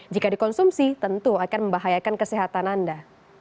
jika dikonsumsi tentu akan membahayakan kesehatan anda